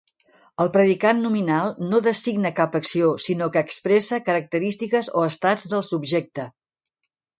El predicat nominal no designa cap acció sinó que expressa característiques o estats del subjecte.